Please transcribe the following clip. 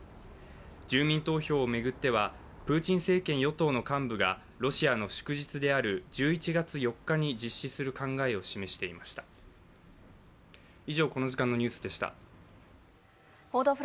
住民投票を巡ってはプーチン政権与党の幹部がロシアの祝日である１１月４日に実施する考えを示していました。